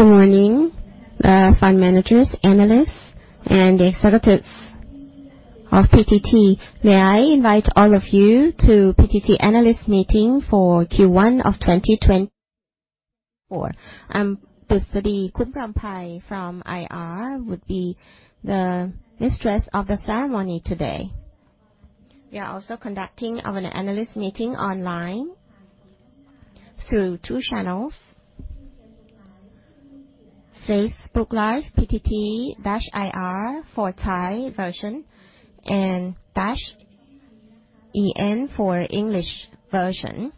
Good morning, fund managers, analysts, and the executives of PTT. May I invite all of you to PTT analyst meeting for Q1 of 2024. Thasadee Ku-ngamporn from IR would be the mistress of the ceremony today. We are also conducting of an analyst meeting online through two channels: Facebook Live, PTT-IR for Thai version and -EN for English version.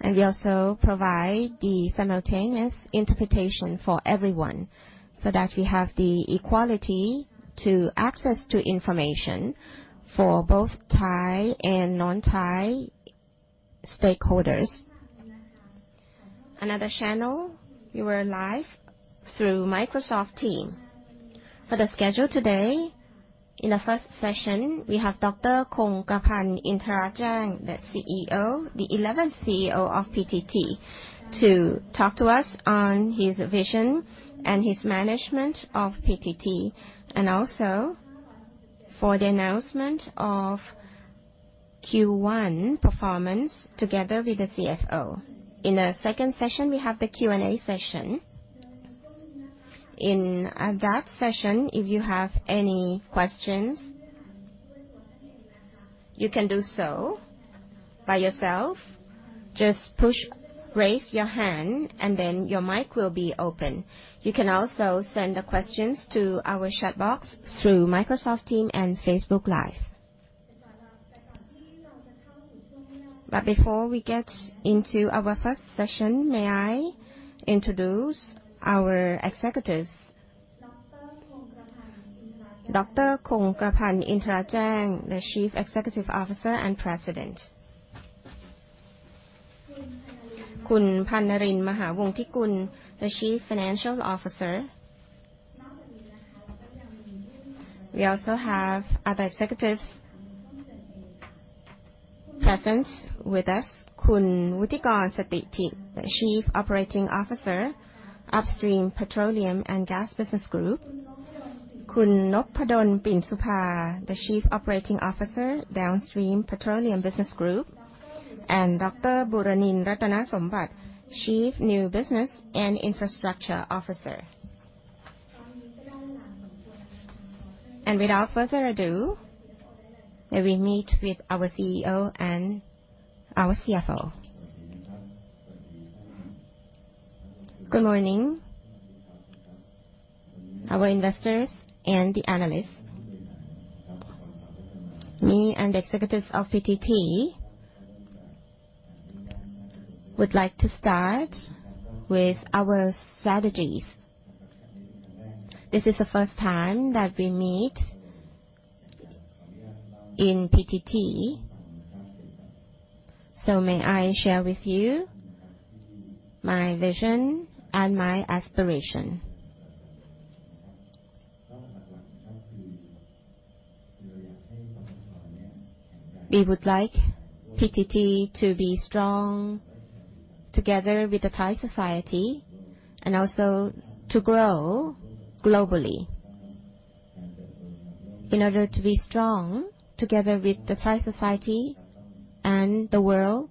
And we also provide the simultaneous interpretation for everyone, so that we have the equality to access to information for both Thai and non-Thai stakeholders. Another channel, we were live through Microsoft Teams. For the schedule today, in the first session, we have Dr. Kongkrapan Intarajang, the CEO, the eleventh CEO of PTT, to talk to us on his vision and his management of PTT, and also for the announcement of Q1 performance, together with the CFO. In the second session, we have the Q&A session. In that session, if you have any questions, you can do so by yourself. Just push, raise your hand, and then your mic will be open. You can also send the questions to our chat box through Microsoft Teams and Facebook Live. But before we get into our first session, may I introduce our executives. Dr. Kongkrapan Intarajang, the Chief Executive Officer and President. Khun Pannalin Mahawongtikul, the Chief Financial Officer. We also have other executives present with us. Khun Wuttikorn Stithit, the Chief Operating Officer, Upstream Petroleum and Gas Business Group. Khun Noppadol Pinsupa, the Chief Operating Officer, Downstream Petroleum Business Group, and Dr. Buranin Rattanasombat, Chief New Business and Infrastructure Officer. And without further ado, may we meet with our CEO and our CFO. Good morning, our investors and the analysts. Me and the executives of PTT would like to start with our strategies. This is the first time that we meet in PTT, so may I share with you my vision and my aspiration? We would like PTT to be strong together with the Thai society and also to grow globally. In order to be strong together with the Thai society and the world,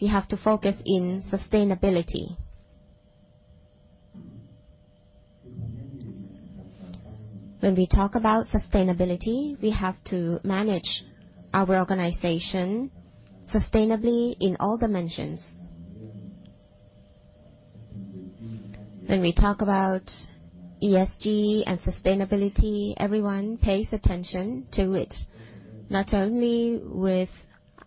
we have to focus in sustainability. When we talk about sustainability, we have to manage our organization sustainably in all dimensions. When we talk about ESG and sustainability, everyone pays attention to it, not only with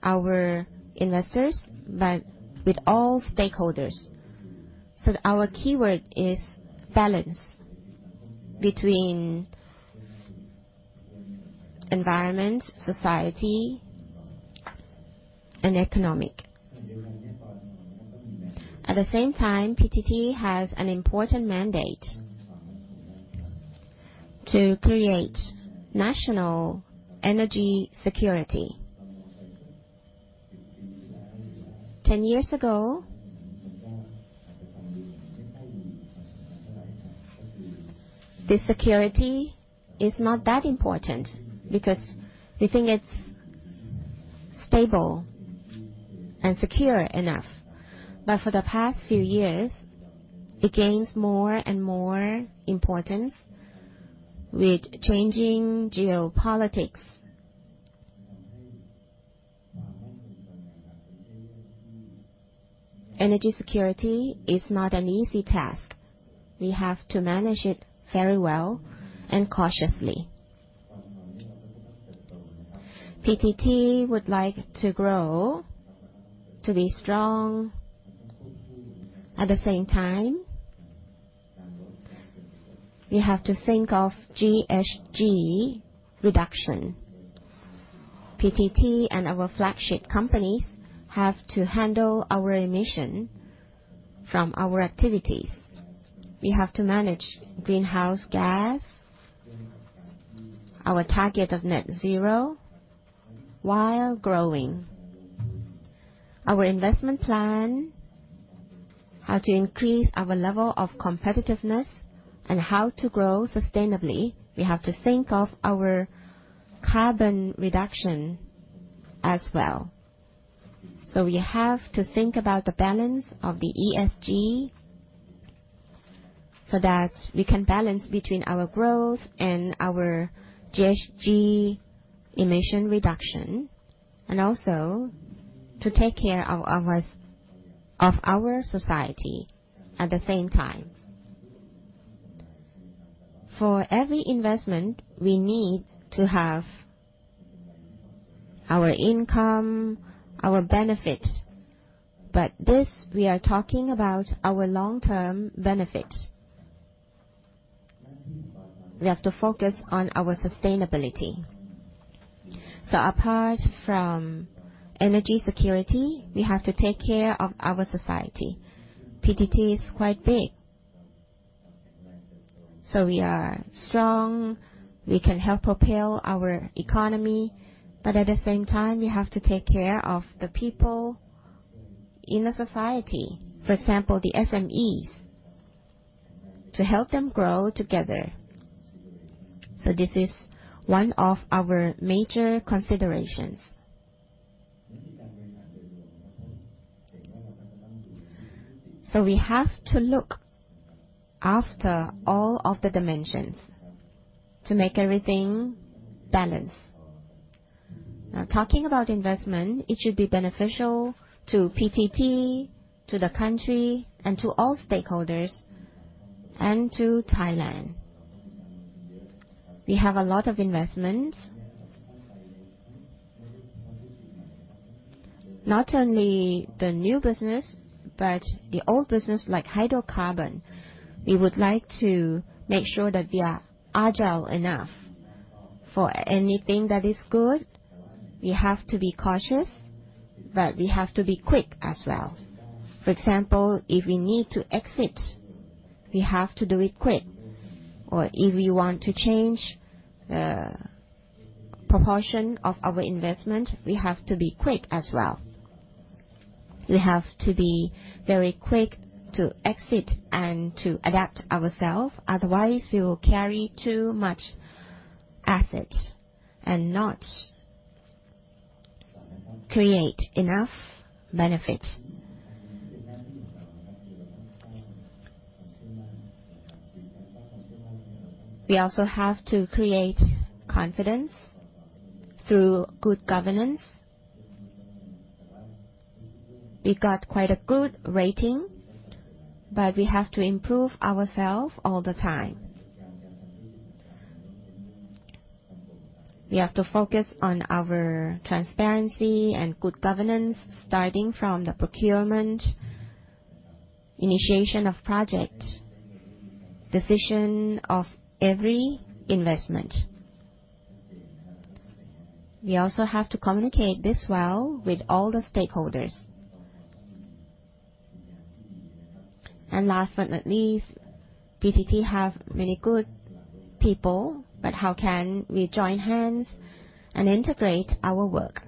our investors, but with all stakeholders. So our keyword is balance between environment, society, and economic. At the same time, PTT has an important mandate to create national energy security. 10 years ago, the security is not that important because we think it's stable and secure enough. But for the past few years, it gains more and more importance with changing geopolitics. Energy security is not an easy task. We have to manage it very well and cautiously. PTT would like to grow to be strong. At the same time, we have to think of GHG reduction. PTT and our flagship companies have to handle our emission from our activities. We have to manage greenhouse gas, our target of net zero while growing. Our investment plan, how to increase our level of competitiveness, and how to grow sustainably, we have to think of our carbon reduction as well. So we have to think about the balance of the ESG, so that we can balance between our growth and our GHG emission reduction, and also to take care of ours, of our society at the same time. For every investment, we need to have our income, our benefit, but this, we are talking about our long-term benefit. We have to focus on our sustainability. So apart from energy security, we have to take care of our society. PTT is quite big, so we are strong. We can help propel our economy, but at the same time, we have to take care of the people in the society, for example, the SMEs, to help them grow together. So this is one of our major considerations. So we have to look after all of the dimensions to make everything balanced. Now, talking about investment, it should be beneficial to PTT, to the country, and to all stakeholders, and to Thailand. We have a lot of investments. Not only the new business, but the old business, like hydrocarbon. We would like to make sure that we are agile enough. For anything that is good, we have to be cautious, but we have to be quick as well. For example, if we need to exit, we have to do it quick, or if we want to change the proportion of our investment, we have to be quick as well. We have to be very quick to exit and to adapt ourselves, otherwise, we will carry too much assets and not create enough benefit. We also have to create confidence through good governance. We got quite a good rating, but we have to improve ourselves all the time. We have to focus on our transparency and good governance, starting from the procurement, initiation of project, decision of every investment. We also have to communicate this well with all the stakeholders. And last but not least, PTT have many good people, but how can we join hands and integrate our work?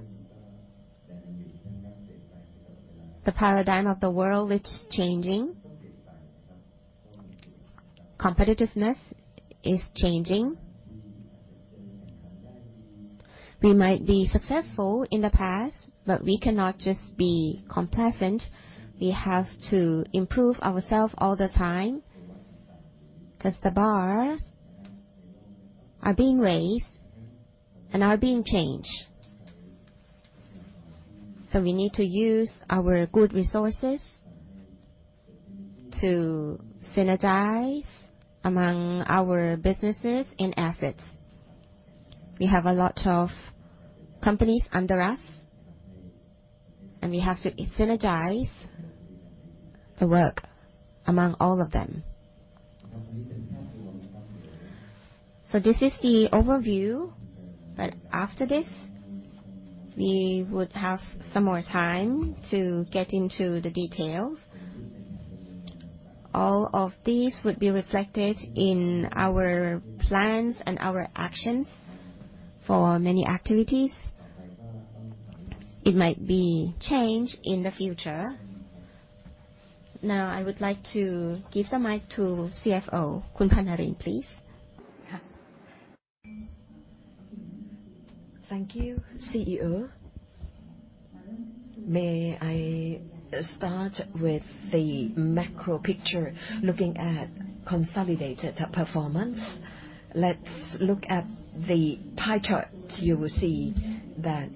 The paradigm of the world is changing. Competitiveness is changing. We might be successful in the past, but we cannot just be complacent. We have to improve ourself all the time, 'cause the bars are being raised and are being changed. So we need to use our good resources to synergize among our businesses and assets. We have a lot of companies under us, and we have to synergize the work among all of them. So this is the overview, but after this, we would have some more time to get into the details. All of these would be reflected in our plans and our actions for many activities. It might be changed in the future. Now, I would like to give the mic to CFO, Pannalin, please. Thank you, CEO. May I start with the macro picture, looking at consolidated performance. Let's look at the pie chart. You will see that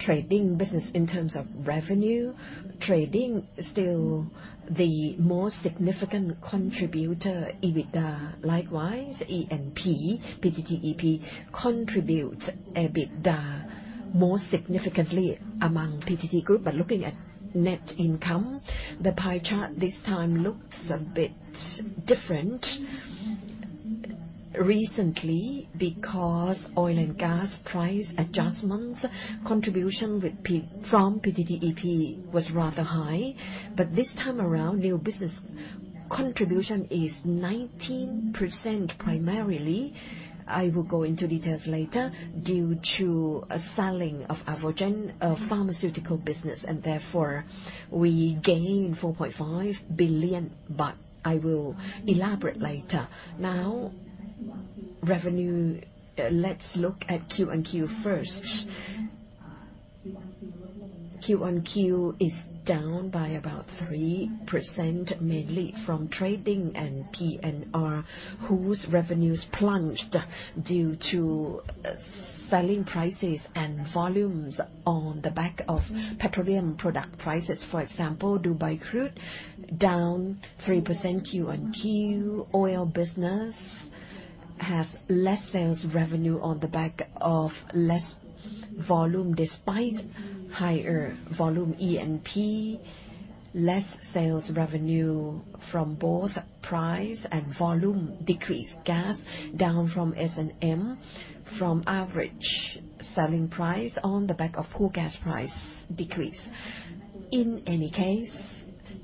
trading business in terms of revenue, trading is still the more significant contributor, EBITDA. Likewise, E&P, PTTEP contributes EBITDA most significantly among PTT group. But looking at net income, the pie chart this time looks a bit different. Recently, because oil and gas price adjustments, contribution from PTTEP was rather high. But this time around, new business contribution is 19%, primarily. I will go into details later. Due to a selling of Alvogen, a pharmaceutical business, and therefore, we gained 4.5 billion baht, but I will elaborate later. Now, revenue, let's look at Q-on-Q first. Q-on-Q is down by about 3%, mainly from trading and P&R, whose revenues plunged due to selling prices and volumes on the back of petroleum product prices. For example, Dubai crude down 3% Q-on-Q. Oil business has less sales revenue on the back of less volume despite higher volume E&P. Less sales revenue from both price and volume decrease. Gas, down from S&M, from average selling price on the back of poor gas price decrease. In any case,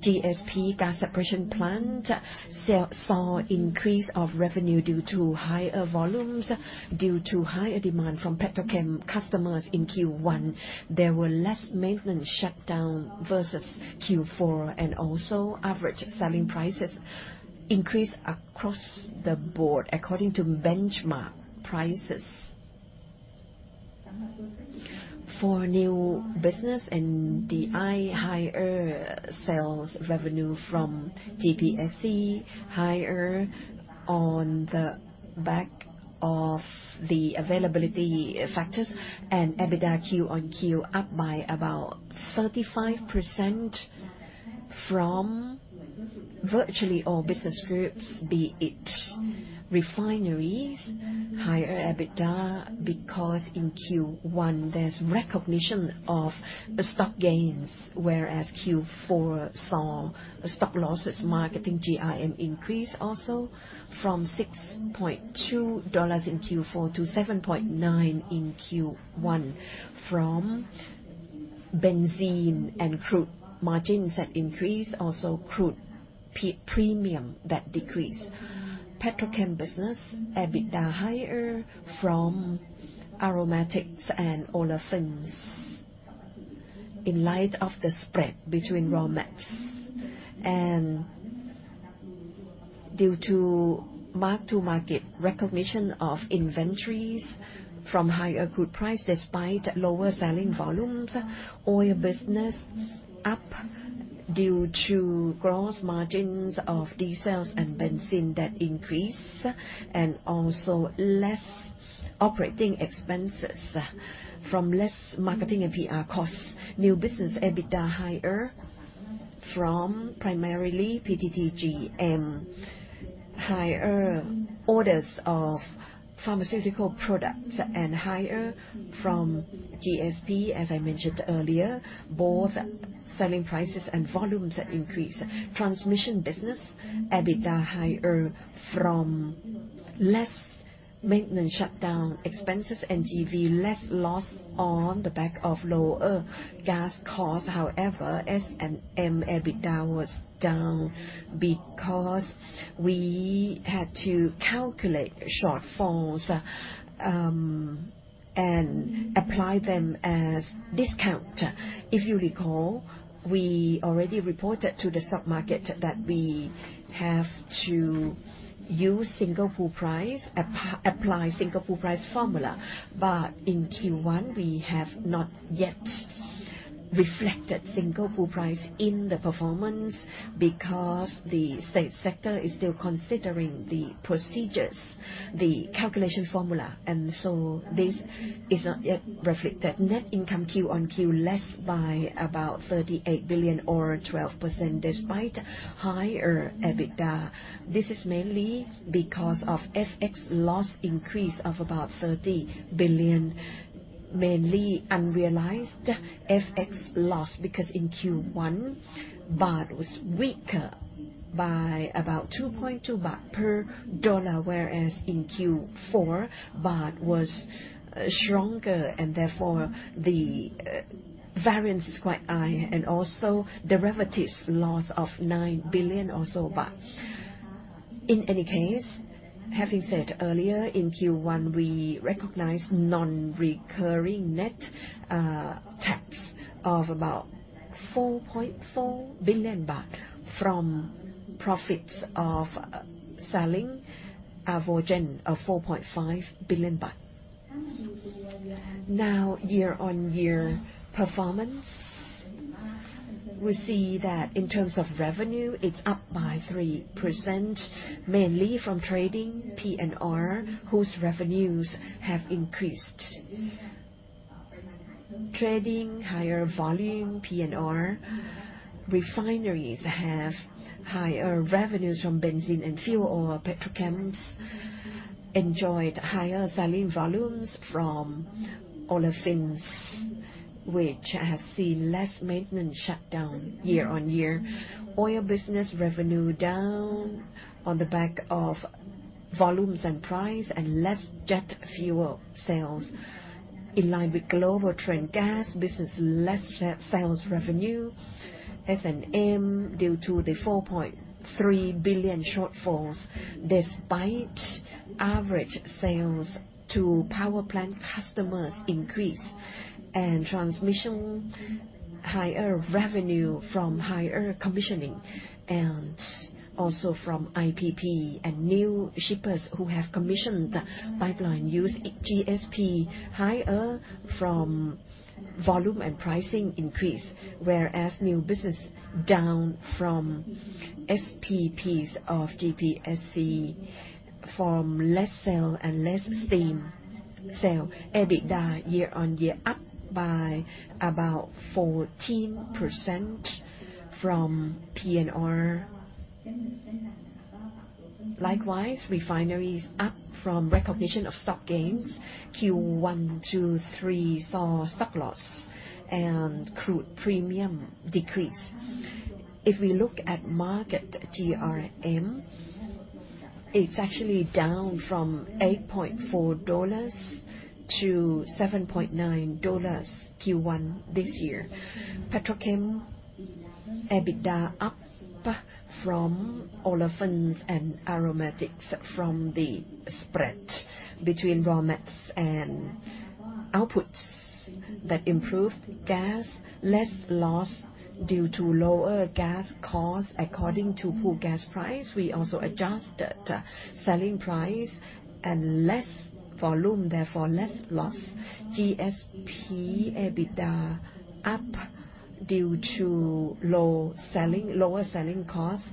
GSP, Gas Separation Plant, sales saw increase of revenue due to higher volumes, due to higher demand from Petrochem customers in Q1. There were less maintenance shutdown versus Q4, and also average selling prices increased across the board, according to benchmark prices. For new business and NBI, higher sales revenue from GPSC, higher on the back of the availability factors and EBITDA Q-on-Q, up by about 35% from virtually all business groups, be it refineries, higher EBITDA, because in Q1, there's recognition of stock gains, whereas Q4 saw stock losses, marketing GRM increase also from $6.2 in Q4 to $7.9 in Q1, from gasoline and crude margins that increased, also crude premium that decreased. Petrochem business, EBITDA higher from aromatics and olefins. In light of the spread between raw mats and due to mark-to-market recognition of inventories from higher crude price despite lower selling volumes, oil business up due to gross margins of diesels and benzene that increased, and also less operating expenses from less marketing and PR costs. New business, EBITDA higher from primarily PTTGM, higher orders of pharmaceutical products, and higher from GSP, as I mentioned earlier. Both selling prices and volumes increased. Transmission business, EBITDA higher from less maintenance shutdown expenses, and NGV, less loss on the back of lower gas costs. However, S&M, EBITDA was down because we had to calculate shortfalls, and apply them as discount. If you recall, we already reported to the stock market that we have to use Singapore price, apply Singapore price formula. But in Q1, we have not yet reflected Singapore price in the performance because the state sector is still considering the procedures, the calculation formula, and so this is not yet reflected. Net income Q-on-Q, less by about 38 billion or 12%, despite higher EBITDA. This is mainly because of FX loss increase of about 30 billion, mainly unrealized FX loss, because in Q1, baht was weaker by about 2.2 baht per dollar, whereas in Q4, baht was stronger, and therefore, the variance is quite high, and also derivatives loss of 9 billion or so bahts. In any case, having said earlier in Q1, we recognized non-recurring net tax of about 4.4 billion baht from profits of selling Alvogen of 4.5 billion baht. Now, year-on-year performance. We see that in terms of revenue, it's up by 3%, mainly from trading, P&R, whose revenues have increased. Trading, higher volume, P&R. Refineries have higher revenues from benzene and fuel oil. Petrochems enjoyed higher selling volumes from olefins, which have seen less maintenance shutdown year-on-year. Oil business revenue down on the back of volumes and price and less jet fuel sales. In line with global trend, gas business less sales revenue. S&M, due to the 4.3 billion shortfalls, despite average sales to power plant customers increase and transmission, higher revenue from higher commissioning, and also from IPP and new shippers who have commissioned the pipeline use GSP higher from volume and pricing increase. Whereas new business down from SPPs of GPSC, from less sale and less steam sale. EBITDA year-on-year, up by about 14% from P&R. Likewise, refineries up from recognition of stock gains. Q1 to Q3 saw stock loss and crude premium decrease. If we look at market GRM, it's actually down from $8.4 to $7.9, Q1 this year. Petrochem, EBITDA up from olefins and aromatics, from the spread between raw mats and outputs that improved. Gas, less loss due to lower gas costs according to pool gas price. We also adjusted selling price and less volume, therefore, less loss. GSP EBITDA up due to lower selling costs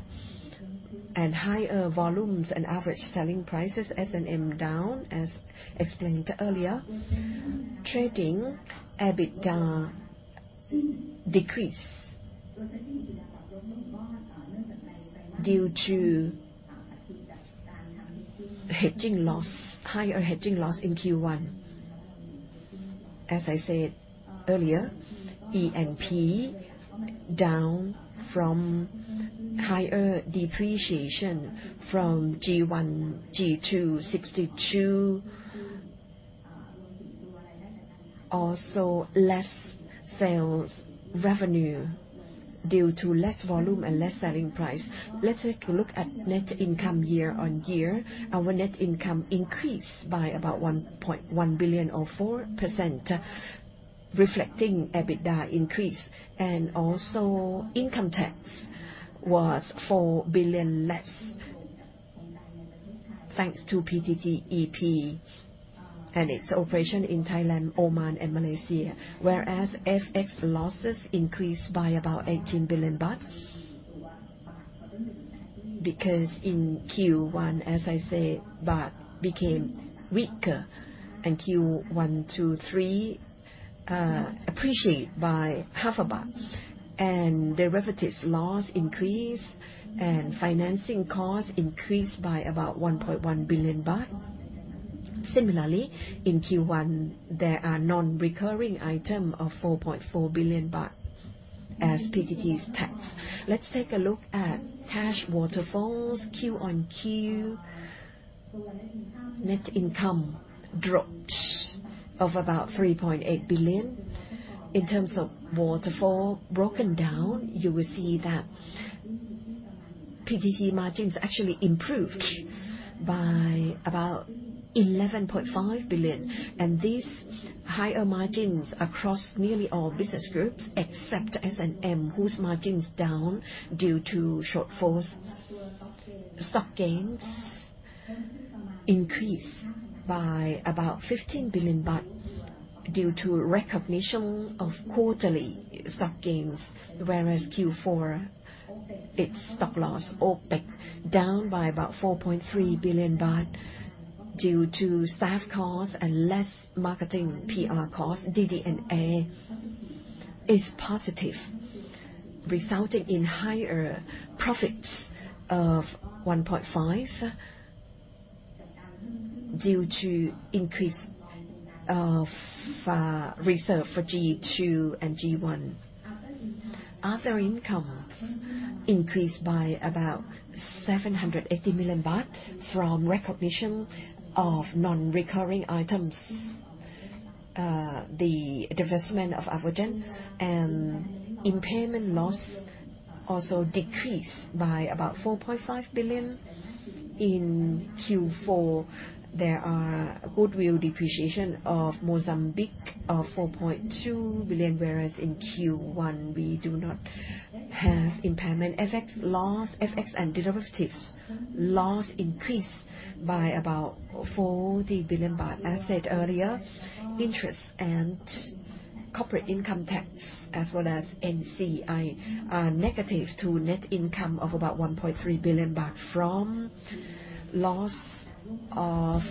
and higher volumes and average selling prices. S&M down, as explained earlier. Trading, EBITDA decreased due to hedging loss, higher hedging loss in Q1. As I said earlier, E&P down from higher depreciation from G1/61, G2/61. Also, less sales revenue due to less volume and less selling price. Let's take a look at net income year-on-year. Our net income increased by about 1.1 billion, or 4%, reflecting EBITDA increase, and also income tax was THB 4 billion less, thanks to PTTEP and its operation in Thailand, Oman and Malaysia. Whereas FX losses increased by about 18 billion baht, because in Q1, as I said, baht became weaker, and Q1 to Q3 appreciate by THB 0.5. And derivatives loss increased, and financing costs increased by about 1.1 billion baht. Similarly, in Q1, there are non-recurring item of 4.4 billion baht as PTT's tax. Let's take a look at cash waterfalls. Q-on-Q, net income dropped of about 3.8 billion. In terms of waterfall broken down, you will see that PTT margins actually improved by about 11.5 billion. And these higher margins across nearly all business groups, except S&M, whose margin is down due to shortfalls. Stock gains increased by about 15 billion baht due to recognition of quarterly stock gains, whereas Q4, it's stock loss. OPEC down by about 4.3 billion baht due to staff costs and less marketing PR costs. DD&A is positive, resulting in higher profits of 1.5 billion, due to increase of reserve for G2 and G1. Other income increased by about 780 million baht from recognition of non-recurring items. The divestment of Alvogen and impairment loss also decreased by about 4.5 billion. In Q4, there are goodwill depreciation of Mozambique of 4.2 billion, whereas in Q1, we do not have impairment. FX loss, FX and derivatives loss increased by about 40 billion baht. I said earlier, interest and corporate income tax, as well as NCI, are negative to net income of about 1.3 billion baht from loss of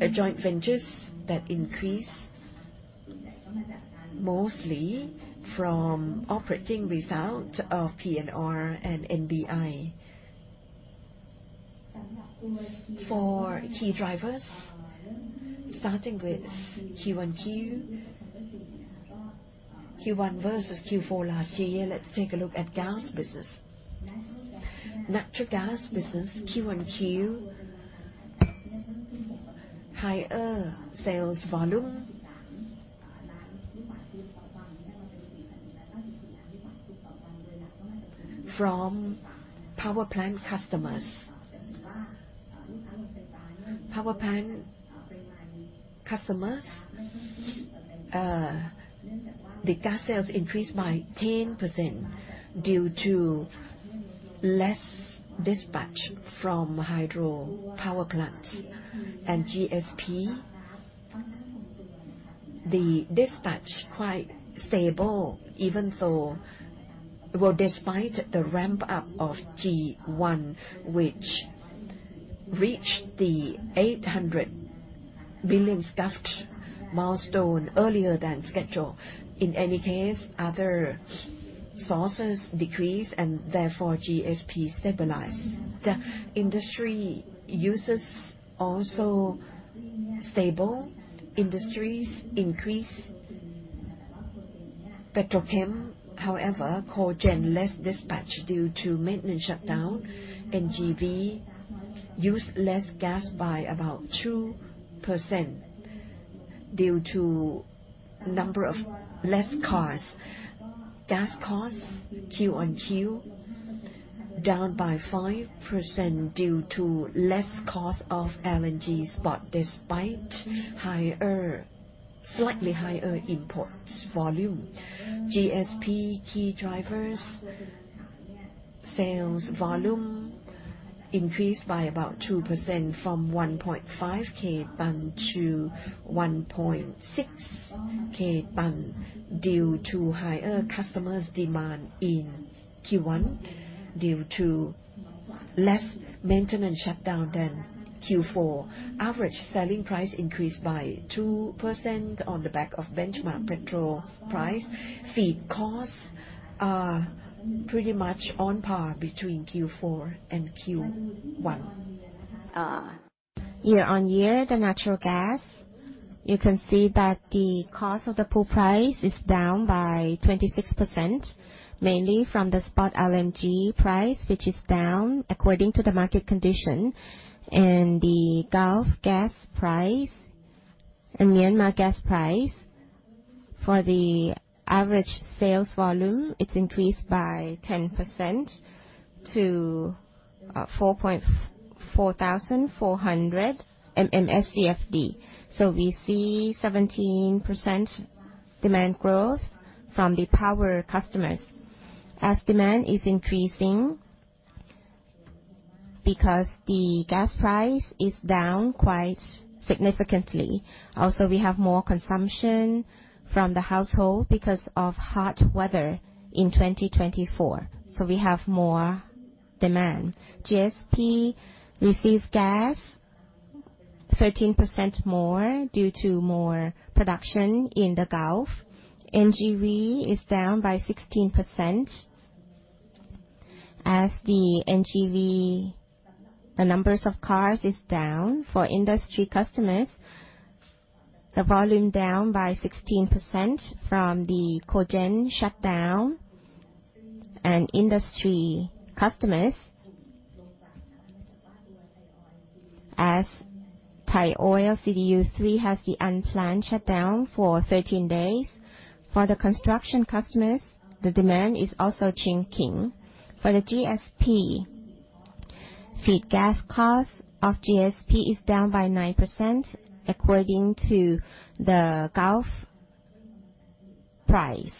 a joint ventures that increased, mostly from operating result of P&R and NBI. For key drivers, starting with Q1, Q1 versus Q4 last year, let's take a look at gas business. Natural gas business, Q1 Q, higher sales volume from power plant customers. Power plant customers, the gas sales increased by 10% due to less dispatch from hydro power plants. And GSP, the dispatch quite stable, even though, well, despite the ramp up of G1, which reached the 800 billion SCF milestone earlier than scheduled. In any case, other sources decreased, and therefore GSP stabilized. The industry uses also stable. Industries increase petrochem, however, cogen less dispatch due to maintenance shutdown. NGV use less gas by about 2% due to number of less cars. Gas costs, Q-on-Q, down by 5% due to less cost of LNG spot, despite higher, slightly higher imports volume. GSP key drivers. Sales volume increased by about 2% from 1.5K ton to 1.6K ton, due to higher customers' demand in Q1, due to less maintenance shutdown than Q4. Average selling price increased by 2% on the back of benchmark petrol price. Feed costs are pretty much on par between Q4 and Q1. Year-on-year, the natural gas, you can see that the cost of the pool price is down by 26%, mainly from the spot LNG price, which is down according to the market condition. The Gulf gas price and Myanmar gas price for the average sales volume, it's increased by 10% to 4,400 MMSCFD. So we see 17% demand growth from the power customers. As demand is increasing, because the gas price is down quite significantly. Also, we have more consumption from the household because of hot weather in 2024, so we have more demand. GSP receives gas 13% more due to more production in the Gulf. NGV is down by 16%. As the NGV, the numbers of cars is down. For industry customers, the volume down by 16% from the cogen shutdown and industry customers. As Thai Oil CDU3 has the unplanned shutdown for 13 days. For the construction customers, the demand is also shrinking. For the GSP, feed gas cost of GSP is down by 9% according to the Gulf price.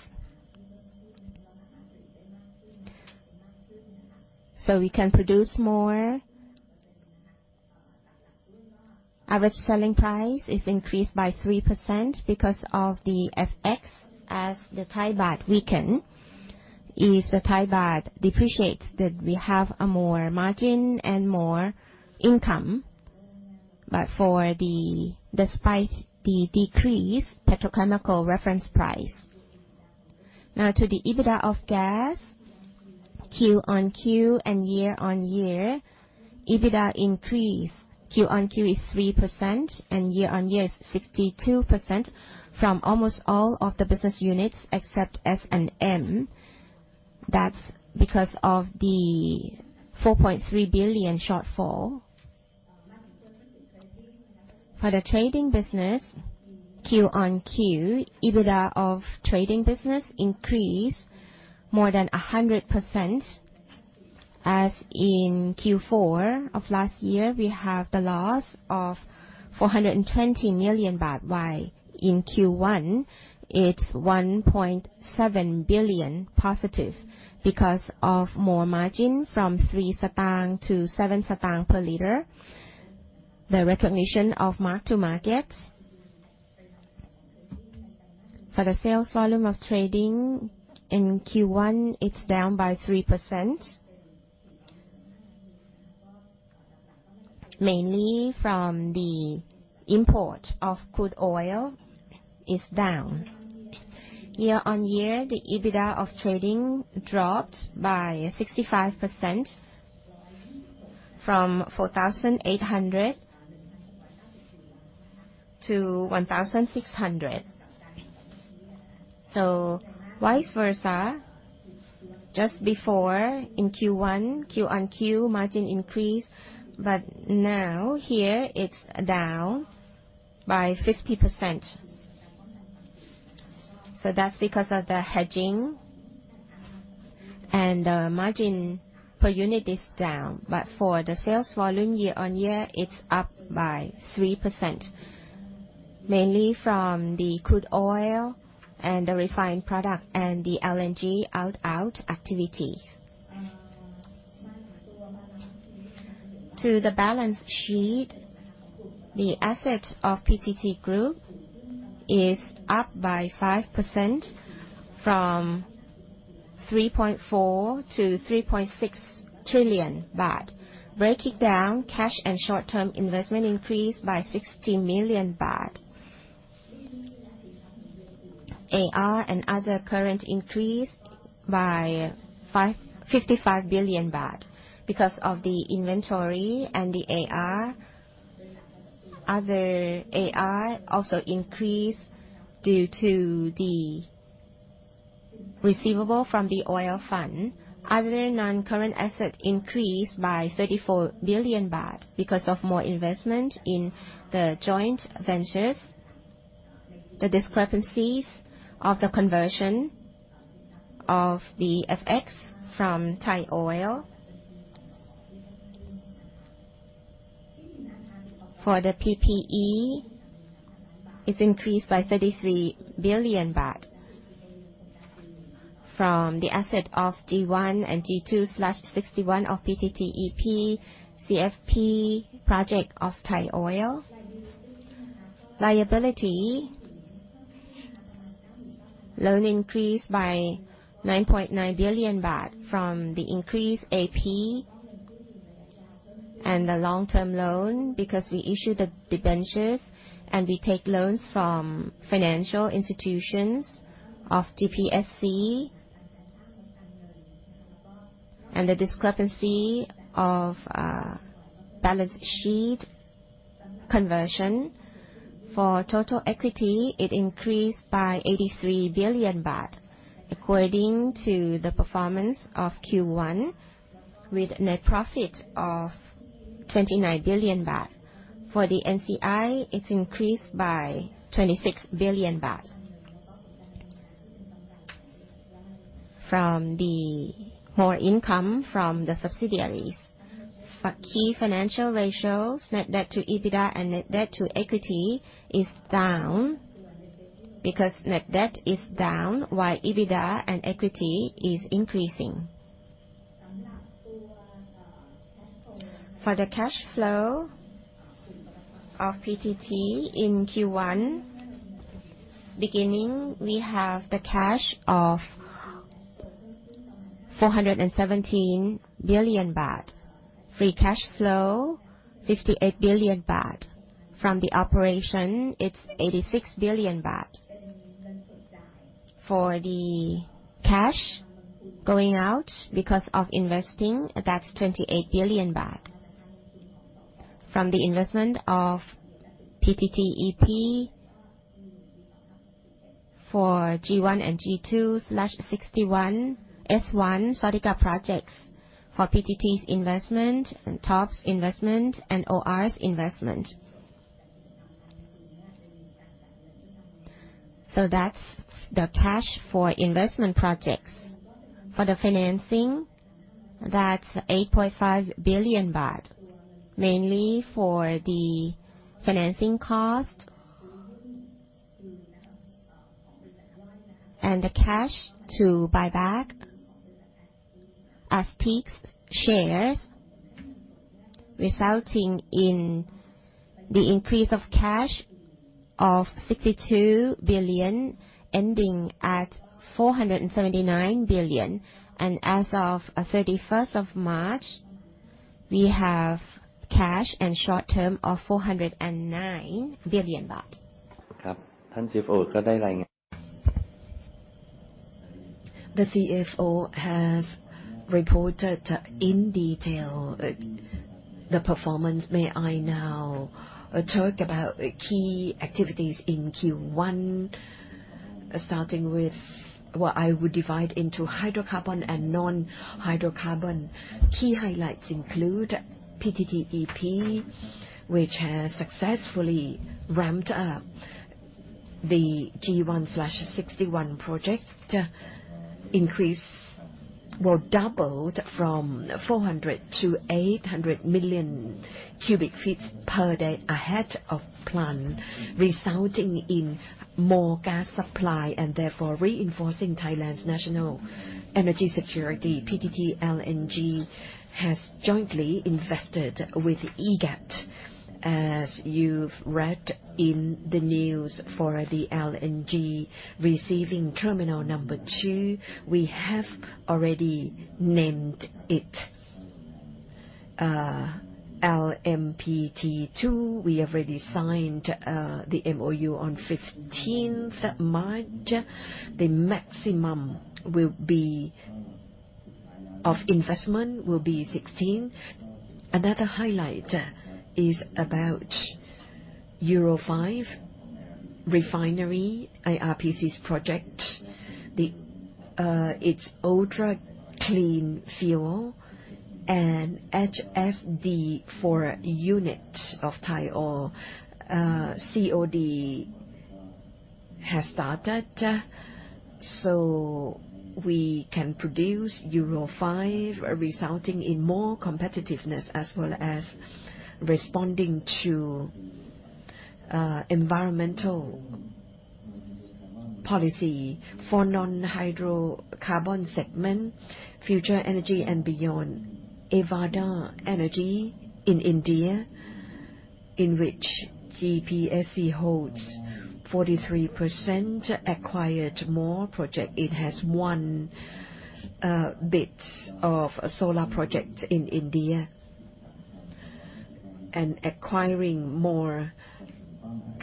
So we can produce more. Average selling price is increased by 3% because of the FX, as the Thai baht weaken. If the Thai baht depreciates, then we have a more margin and more income. But for the, despite the decreased petrochemical reference price. Now to the EBITDA of gas, Q-on-Q and year-on-year, EBITDA increase Q-on-Q is 3% and year-on-year is 62% from almost all of the business units, except S&M. That's because of the 4.3 billion shortfall. For the trading business, Q-on-Q, EBITDA of trading business increased more than 100%. As in Q4 of last year, we have the loss of 400 million baht, while in Q1, it's 1.7 billion positive because of more margin from three satang to seven satang per liter. The recognition of mark-to-market. For the sales volume of trading in Q1, it's down by 3%, mainly from the import of crude oil is down. Year-on-year, the EBITDA of trading dropped by 65%, from 4,800 million THB to 1,600 million THB. So vice versa, just before in Q1, Q-on-Q margin increased, but now here it's down by 50%. So that's because of the hedging, and margin per unit is down. But for the sales volume year-on-year, it's up by 3%, mainly from the crude oil and the refined product and the LNG outbound activity. To the balance sheet, the assets of PTT Group is up by 5% from 3.4 trillion to 3.6 trillion baht. Breaking down, cash and short-term investment increased by 60 million baht. AR and other current increased by 55 billion baht because of the inventory and the AR. Other AR also increased due to the receivable from the oil fund. Other non-current assets increased by 34 billion baht because of more investment in the joint ventures. The discrepancies of the conversion of the FX from Thai Oil. For the PPE, it's increased by 33 billion baht from the asset of G1/61 and G2/61 of PTTEP, CFP project of Thai Oil. Liability, loan increased by 9.9 billion baht from the increased AP and the long-term loan, because we issued the debentures, and we take loans from financial institutions of GPSC. And the discrepancy of balance sheet conversion for total equity, it increased by 83 billion baht, according to the performance of Q1, with net profit of 29 billion baht. For the NCI, it's increased by 26 billion baht. From the more income from the subsidiaries. For key financial ratios, net debt to EBITDA and net debt to equity is down because net debt is down, while EBITDA and equity is increasing. For the cash flow of PTT in Q1, beginning, we have the cash of 417 billion baht. Free cash flow, 58 billion baht. From the operation, it's 86 billion baht. For the cash going out because of investing, that's 28 billion baht. From the investment of PTTEP for G1/61 and G2/61, Zawtika projects for PTT's investment, and TOP's investment and OR's investment. So that's the cash for investment projects. For the financing, that's 8.5 billion baht, mainly for the financing cost. The cash to buy back Aztiq's shares, resulting in the increase of cash of 62 billion, ending at 479 billion. As of 31st of March, we have cash and short term of 409 billion baht. The CFO has reported in detail the performance. May I now talk about key activities in Q1, starting with what I would divide into hydrocarbon and non-hydrocarbon. Key highlights include PTTEP, which has successfully ramped up the G1/61 project, increased or doubled from 400 to 800 million cubic feet per day ahead of plan, resulting in more gas supply and therefore reinforcing Thailand's national energy security. PTT LNG has jointly invested with EGAT. As you've read in the news, for the LNG receiving terminal number two, we have already named it LMPT-2. We have already signed the MOU on 15th March. The maximum will be-... of investment will be 16. Another highlight is about Euro 5 refinery, IRPC's project. It's ultra clean fuel and HSD, HSFO unit of Thai Oil COD has started. So we can produce Euro 5, resulting in more competitiveness as well as responding to environmental policy for non-hydrocarbon segment, future energy and beyond. Avaada Energy in India, in which GPSC holds 43%, acquired more project. It has one bit of solar projects in India. And acquiring more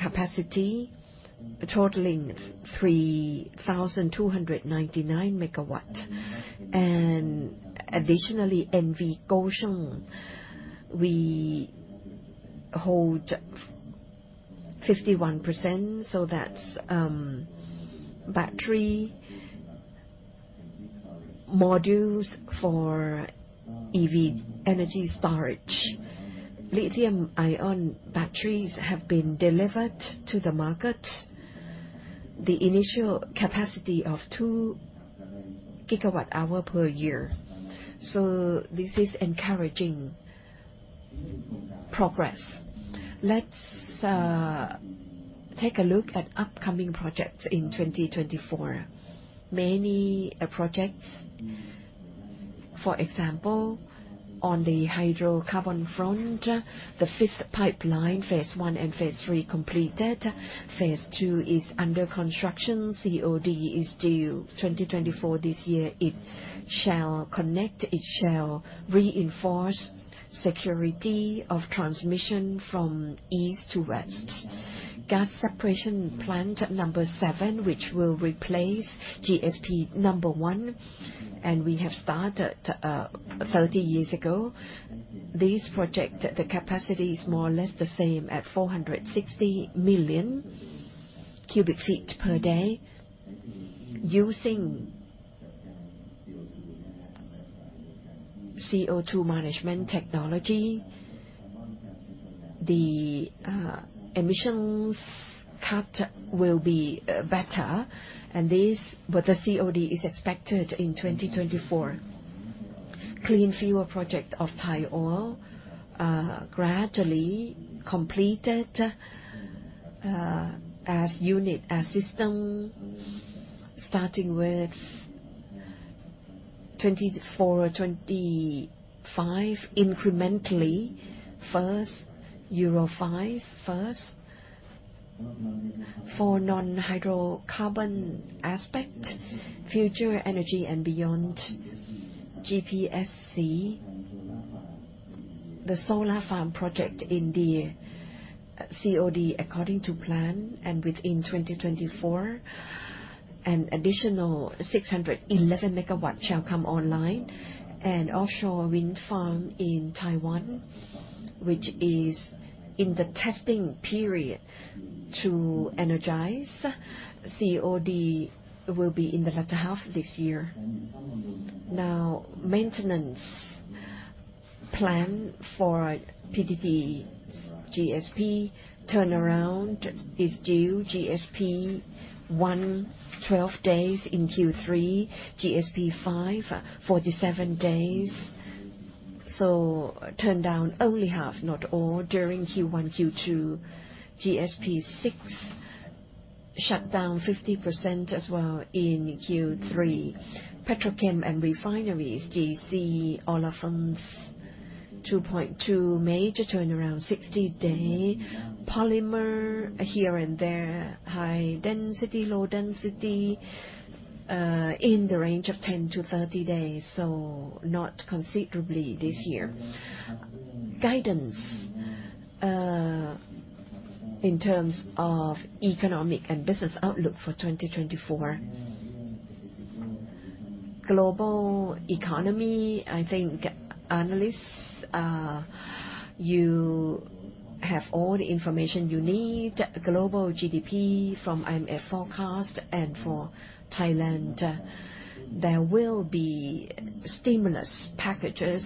capacity totaling 3,299 MW. And additionally, NV Gotion, we hold 51%, so that's battery modules for EV energy storage. Lithium ion batteries have been delivered to the market, the initial capacity of 2 GWh per year. So this is encouraging progress. Let's take a look at upcoming projects in 2024. Many projects, for example, on the hydrocarbon front, the fifth pipeline, phase 1 and phase 3 completed. Phase 2 is under construction. COD is due 2024, this year. It shall connect, it shall reinforce security of transmission from east to west. Gas Separation Plant number 7, which will replace GSP number 1, and we have started 30 years ago. This project, the capacity is more or less the same at 460 million cubic feet per day, using CO2 management technology, the emissions cut will be better, and this—but the COD is expected in 2024. Clean fuel project of Thai Oil, gradually completed, as unit, as system, starting with 24 or 25, incrementally. First, Euro 5 first. For non-hydrocarbon aspect, future energy and beyond GPSC, the solar farm project in the COD, according to plan and within 2024, an additional 611 megawatts shall come online. And offshore wind farm in Taiwan, which is in the testing period to energize. COD will be in the latter half this year. Now, maintenance plan for PTT GSP turnaround is due GSP one, 12 days in Q3, GSP five, 47 days. So turn down only half, not all, during Q1, Q2. GSP six, shut down 50% as well in Q3. Petrochem and refineries, GC olefins, 2.2, major turnaround, 60 day. Polymer, here and there, high density, low density, in the range of 10-30 days, so not considerably this year. Guidance, in terms of economic and business outlook for 2024. Global economy, I think, analysts, you have all the information you need. Global GDP from IMF forecast and for Thailand, there will be stimulus packages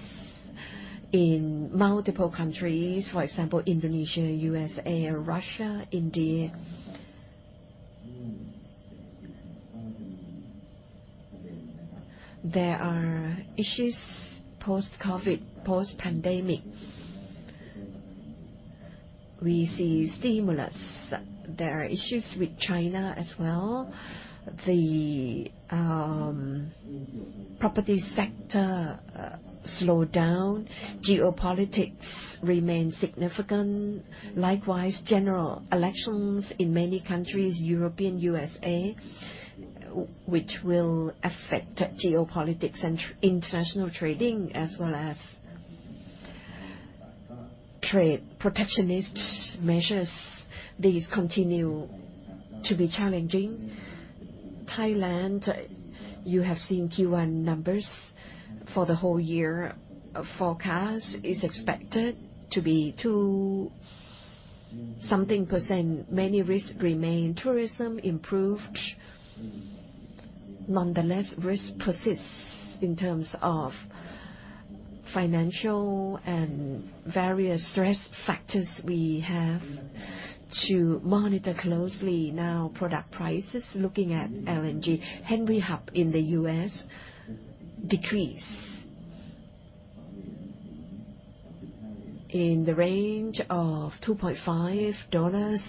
in multiple countries, for example, Indonesia, USA, Russia, India. There are issues post-COVID, post-pandemic. We see stimulus. There are issues with China as well. The, property sector slowed down. Geopolitics remains significant. Likewise, general elections in many countries, European, USA, which will affect geopolitics and international trading as well as trade protectionist measures, these continue to be challenging. Thailand, you have seen Q1 numbers for the whole year. Forecast is expected to be 2-something%. Many risks remain. Tourism improved. Nonetheless, risk persists in terms of financial and various risk factors we have to monitor closely. Now, product prices, looking at LNG, Henry Hub in the US decreased in the range of $2.5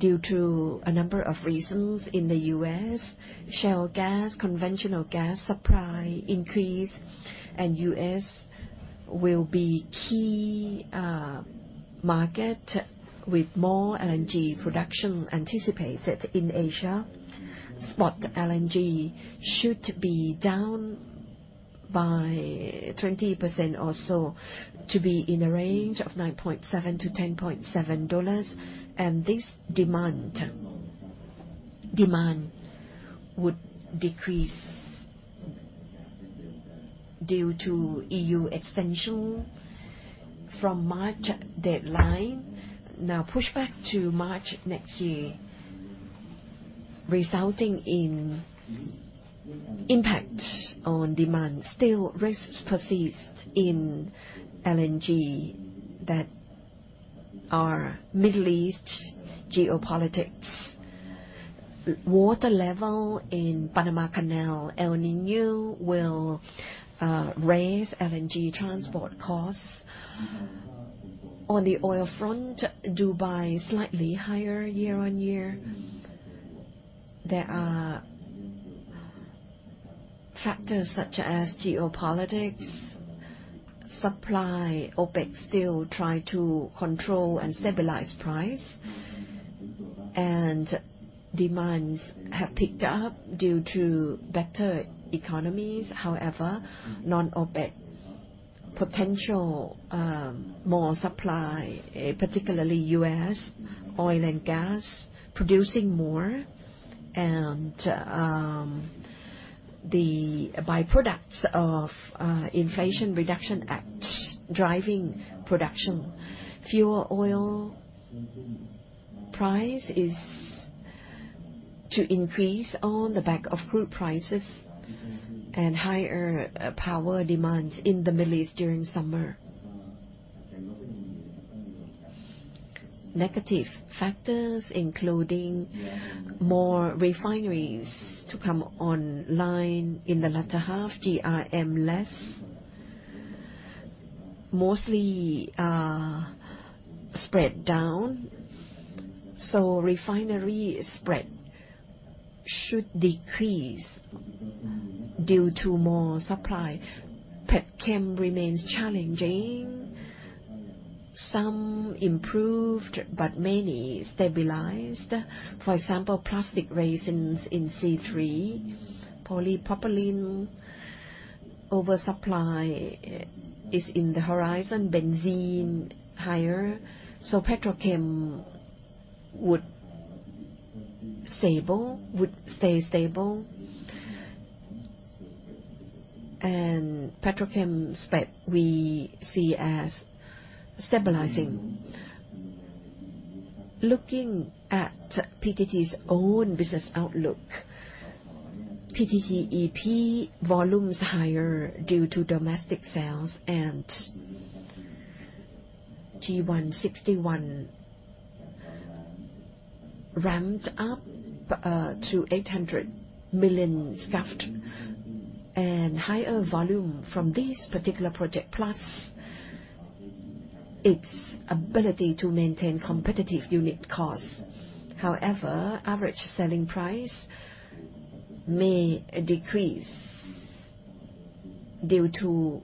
due to a number of reasons in the US. Shale gas, conventional gas supply increased, and US will be key, market with more LNG production anticipated in Asia. Spot LNG should be down by 20% or so, to be in a range of $9.7-$10.7, and this demand would decrease due to E.U. extension from March deadline, now pushed back to March next year, resulting in impact on demand. Still, risks persist in LNG that are Middle East geopolitics. Water level in Panama Canal, El Niño will raise LNG transport costs. On the oil front, Dubai slightly higher year-on-year. There are factors such as geopolitics, supply. OPEC still try to control and stabilize price, and demands have picked up due to better economies. However, non-OPEC potential more supply, particularly U.S. oil and gas producing more, and the byproducts of Inflation Reduction Act driving production. Fuel oil price is to increase on the back of crude prices and higher power demands in the Middle East during summer. Negative factors, including more refineries to come online in the latter half, GRM less. Mostly, spread down, so refinery spread should decrease due to more supply. Petchem remains challenging. Some improved, but many stabilized. For example, plastic resins in C3, polypropylene oversupply is on the horizon, benzene higher. So petrochem would stable, would stay stable. And petrochem spread, we see as stabilizing. Looking at PTT's own business outlook, PTTEP volumes higher due to domestic sales and G1/61 ramped up to 800 million scfd and higher volume from this particular project, plus its ability to maintain competitive unit costs. However, average selling price may decrease due to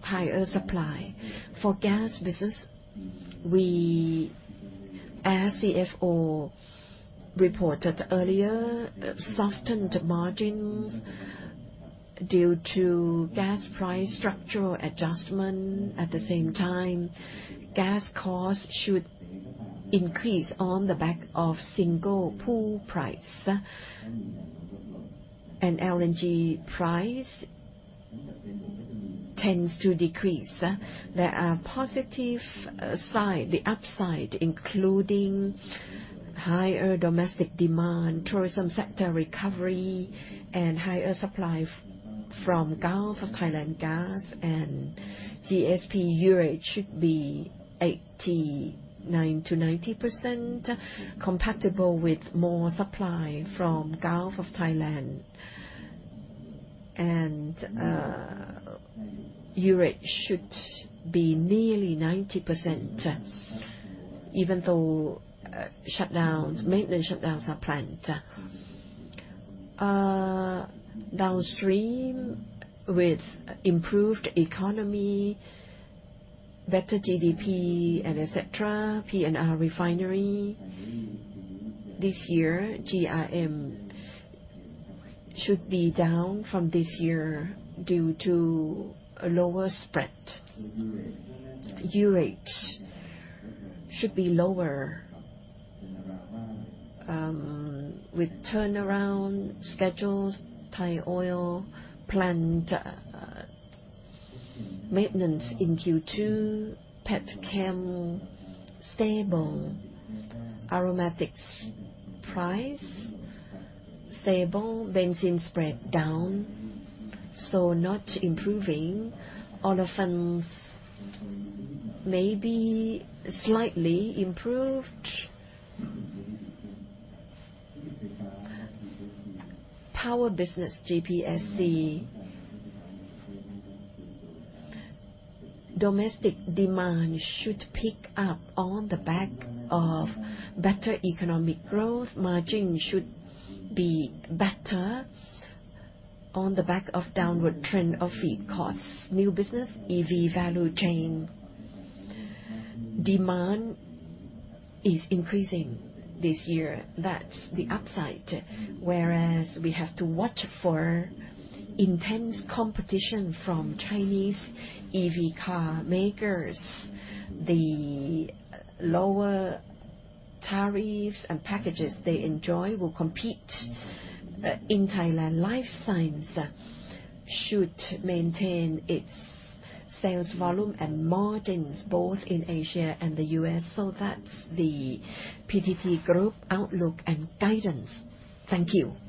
higher supply. For gas business, we, as CFO reported earlier, softened margins due to gas price structural adjustment. At the same time, gas costs should increase on the back of single pool price. And LNG price tends to decrease. There are positive side, the upside, including higher domestic demand, tourism sector recovery, and higher supply from Gulf of Thailand gas. GSP usage should be 89%-90%, compatible with more supply from Gulf of Thailand. And usage should be nearly 90%, even though shutdowns, maintenance shutdowns are planned. Downstream, with improved economy, better GDP, and et cetera, P&R Refinery this year, GRM should be down from this year due to a lower spread. should be lower, with turnaround schedules. Thai Oil plant maintenance in Q2. Petchem stable. Aromatics price stable. Benzene spread down, so not improving. Olefins may be slightly improved. Power business, GPSC. Domestic demand should pick up on the back of better economic growth. Margin should be better on the back of downward trend of feed costs. New business, EV value chain. Demand is increasing this year. That's the upside. Whereas we have to watch for intense competition from Chinese EV car makers. The lower tariffs and packages they enjoy will compete in Thailand. Life science should maintain its sales volume and margins both in Asia and the U.S. That's the PTT Group outlook and guidance. Thank you.